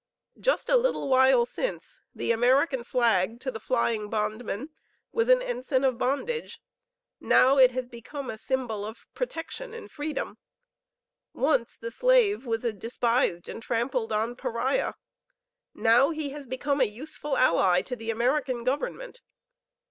Just a little while since the American flag to the flying bondman was an ensign of bondage; now it has become a symbol of protection and freedom. Once the slave was a despised and trampled on pariah; now he has become a useful ally to the American government.